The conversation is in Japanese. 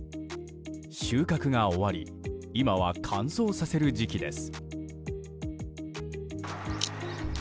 収穫が終わり今は乾燥させる時期です。